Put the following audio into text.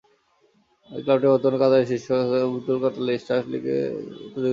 এই ক্লাবটি বর্তমানে কাতারের শীর্ষ স্তরের ফুটবল লীগ কাতার স্টার্স লীগে প্রতিযোগিতা করে।